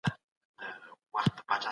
کورنۍ وساتئ.